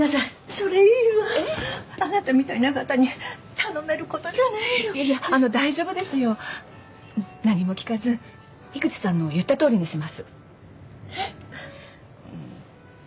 それいいわあなたみたいな方に頼めることじゃないのいやいや大丈夫ですよ何も聞かず樋口さんの言ったとおりにえっ？